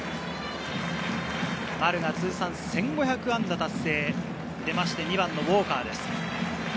丸が通算１５００安打達成で出まして、２番のウォーカーです。